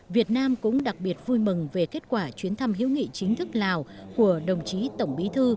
việt nam cũng đặc biệt vui mừng về kết quả chuyến thăm hữu nghị chính thức lào của đồng chí tổng bí thư